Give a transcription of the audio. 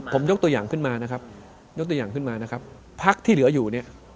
ผมยกตัวอย่างขึ้นมาภักที่เหลืออยู่